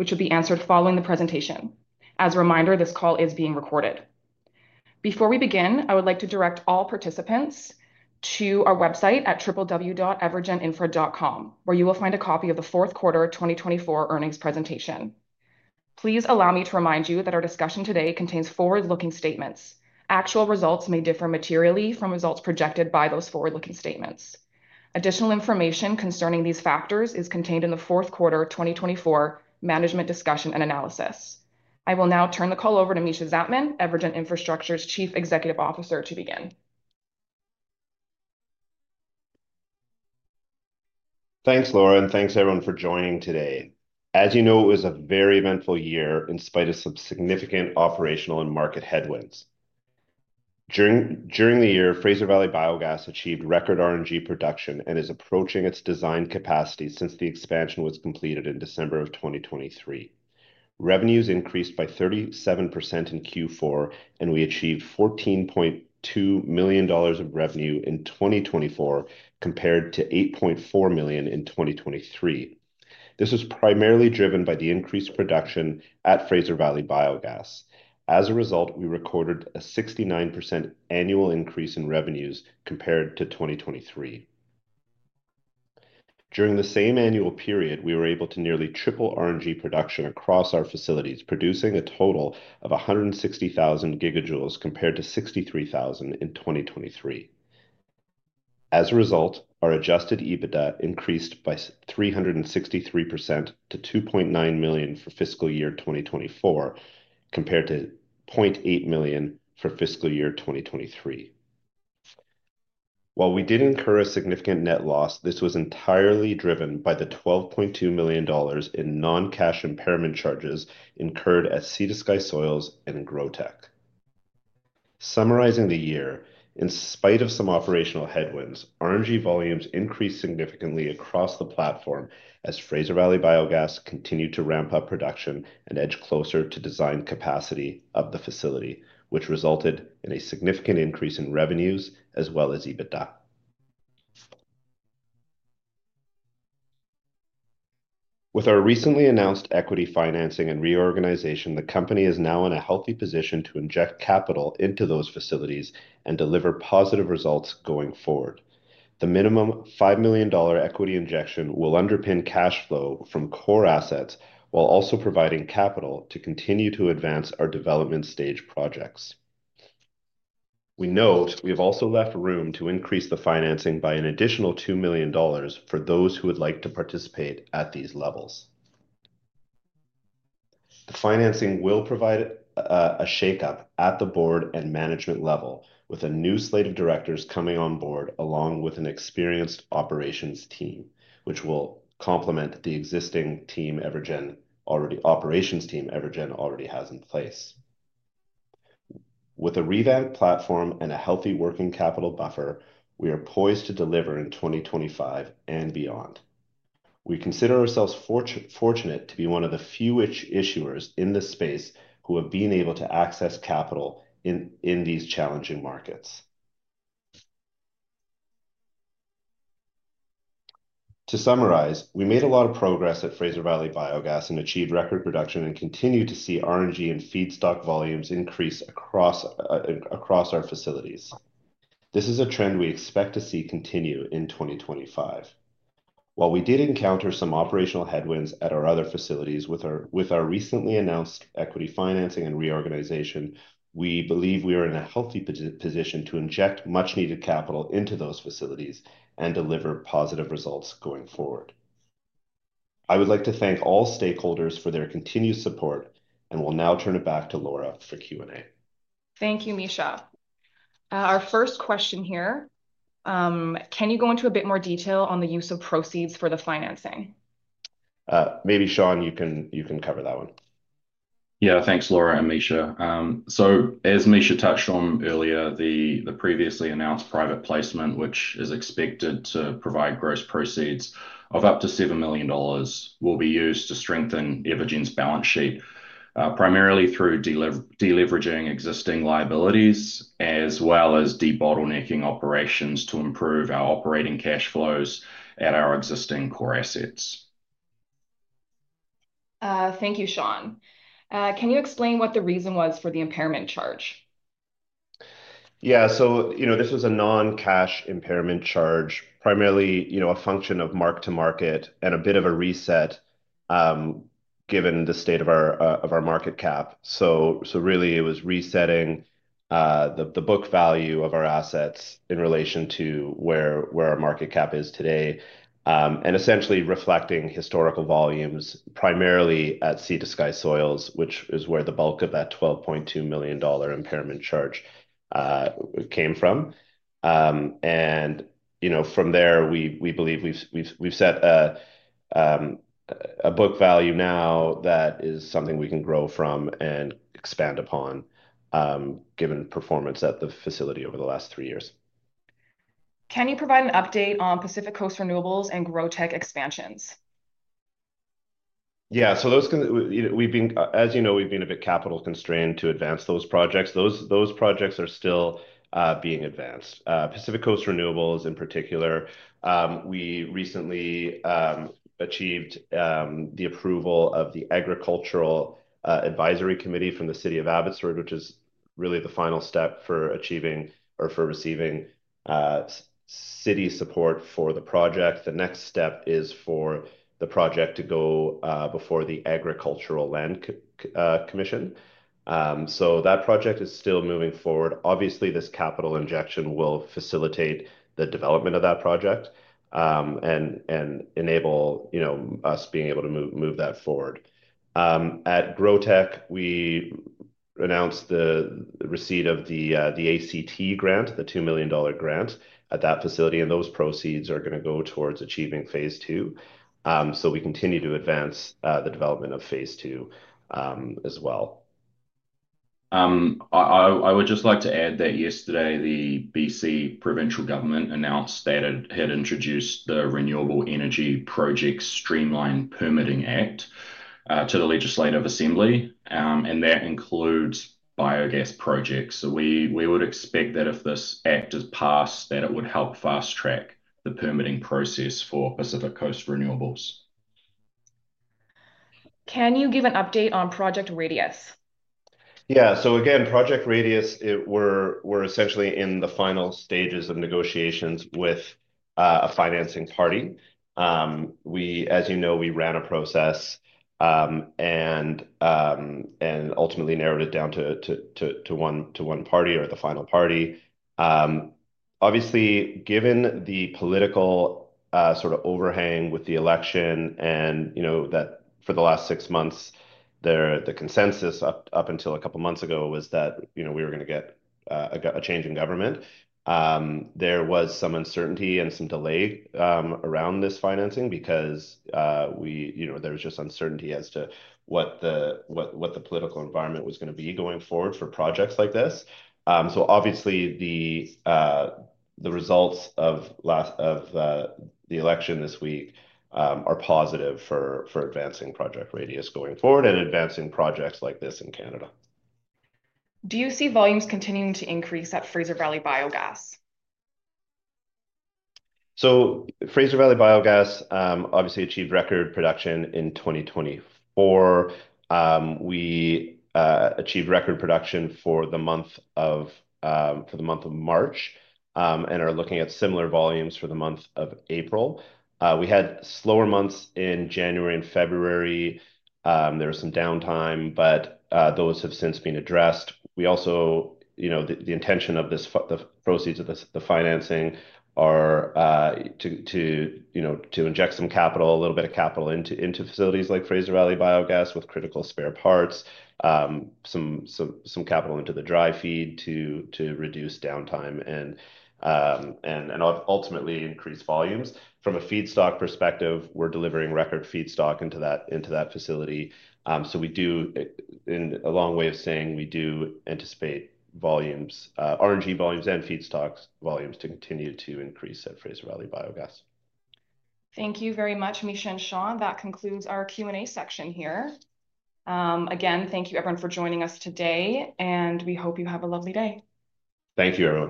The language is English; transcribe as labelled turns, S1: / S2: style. S1: Which will be answered following the presentation. As a reminder, this call is being recorded. Before we begin, I would like to direct all participants to our website at www.EverGenInfra.com, where you will find a copy of the fourth quarter 2024 earnings presentation. Please allow me to remind you that our discussion today contains forward-looking statements. Actual results may differ materially from results projected by those forward-looking statements. Additional information concerning these factors is contained in the fourth quarter 2024 management discussion and analysis. I will now turn the call over to Mischa Zajtmann, EverGen Infrastructure's Chief Executive Officer, to begin.
S2: Thanks, Laura, and thanks, everyone, for joining today. As you know, it was a very eventful year in spite of some significant operational and market headwinds. During the year, Fraser Valley Biogas achieved record RNG production and is approaching its design capacity since the expansion was completed in December of 2023. Revenues increased by 37% in Q4, and we achieved $14.2 million of revenue in 2024 compared to $8.4 million in 2023. This was primarily driven by the increased production at Fraser Valley Biogas. As a result, we recorded a 69% annual increase in revenues compared to 2023. During the same annual period, we were able to nearly triple RNG production across our facilities, producing a total of 160,000 GJ compared to 63,000 in 2023. As a result, our adjusted EBITDA increased by 363% to $2.9 million for fiscal year 2024 compared to $0.8 million for fiscal year 2023. While we did incur a significant net loss, this was entirely driven by the $12.2 million in non-cash impairment charges incurred at CedarSky Soils and Grotech. Summarizing the year, in spite of some operational headwinds, RNG volumes increased significantly across the platform as Fraser Valley Biogas continued to ramp up production and edge closer to design capacity of the facility, which resulted in a significant increase in revenues as well as EBITDA. With our recently announced equity financing and reorganization, the company is now in a healthy position to inject capital into those facilities and deliver positive results going forward. The minimum $5 million equity injection will underpin cash flow from core assets while also providing capital to continue to advance our development stage projects. We note we have also left room to increase the financing by an additional $2 million for those who would like to participate at these levels. The financing will provide a shake-up at the Board and management level, with a new slate of directors coming on board along with an experienced operations team, which will complement the existing team EverGen already has in place. With a revamped platform and a healthy working capital buffer, we are poised to deliver in 2025 and beyond. We consider ourselves fortunate to be one of the few issuers in this space who have been able to access capital in these challenging markets. To summarize, we made a lot of progress at Fraser Valley Biogas and achieved record production and continue to see R&D and feedstock volumes increase across our facilities. This is a trend we expect to see continue in 2025. While we did encounter some operational headwinds at our other facilities with our recently announced equity financing and reorganization, we believe we are in a healthy position to inject much-needed capital into those facilities and deliver positive results going forward. I would like to thank all stakeholders for their continued support and will now turn it back to Laura for Q&A.
S1: Thank you, Mischa. Our first question here, can you go into a bit more detail on the use of proceeds for the financing?
S2: Maybe, Sean, you can cover that one.
S3: Yeah, thanks, Laura and Mischa. As Mischa touched on earlier, the previously announced private placement, which is expected to provide gross proceeds of up to $7 million, will be used to strengthen EverGen's balance sheet, primarily through deleveraging existing liabilities as well as debottlenecking operations to improve our operating cash flows at our existing core assets.
S1: Thank you, Sean. Can you explain what the reason was for the impairment charge?
S2: Yeah, so you know this was a non-cash impairment charge, primarily a function of mark-to-market and a bit of a reset given the state of our market cap. It was really resetting the book value of our assets in relation to where our market cap is today and essentially reflecting historical volumes primarily at CedarSky Soils, which is where the bulk of that $12.2 million impairment charge came from. From there, we believe we've set a book value now that is something we can grow from and expand upon given performance at the facility over the last three years.
S1: Can you provide an update on Pacific Coast Renewables and Grotech expansions?
S2: Yeah, so those can, as you know, we've been a bit capital constrained to advance those projects. Those projects are still being advanced. Pacific Coast Renewables, in particular, we recently achieved the approval of the Agricultural Advisory Committee from the City of Abbotsford, which is really the final step for achieving or for receiving city support for the project. The next step is for the project to go before the Agricultural Land Commission. That project is still moving forward. Obviously, this capital injection will facilitate the development of that project and enable us being able to move that forward. At Grotech, we announced the receipt of the ACT grant, the $2 million grant at that facility, and those proceeds are going to go towards achieving phase two. We continue to advance the development of phase two as well.
S3: I would just like to add that yesterday, the BC provincial government announced that it had introduced the Renewable Energy Project Streamlined Permitting Act to the Legislative Assembly, and that includes biogas projects. We would expect that if this act is passed, that it would help fast-track the permitting process for Pacific Coast Renewables.
S1: Can you give an update on Project Radius?
S2: Yeah, so again, Project Radius, we're essentially in the final stages of negotiations with a financing party. As you know, we ran a process and ultimately narrowed it down to one party or the final party. Obviously, given the political sort of overhang with the election and that for the last six months, the consensus up until a couple of months ago was that we were going to get a change in government, there was some uncertainty and some delay around this financing because there was just uncertainty as to what the political environment was going to be going forward for projects like this. Obviously, the results of the election this week are positive for advancing Project Radius going forward and advancing projects like this in Canada.
S1: Do you see volumes continuing to increase at Fraser Valley Biogas?
S2: Fraser Valley Biogas obviously achieved record production in 2024. We achieved record production for the month of March and are looking at similar volumes for the month of April. We had slower months in January and February. There was some downtime, but those have since been addressed. The intention of the proceeds of the financing are to inject some capital, a little bit of capital into facilities like Fraser Valley Biogas with critical spare parts, some capital into the dry feed to reduce downtime and ultimately increase volumes. From a feedstock perspective, we are delivering record feedstock into that facility. In a long way of saying, we do anticipate volumes, RNG volumes and feedstock volumes to continue to increase at Fraser Valley Biogas.
S1: Thank you very much, Mischa and Sean. That concludes our Q&A section here. Again, thank you, everyone, for joining us today, and we hope you have a lovely day.
S3: Thank you, everyone.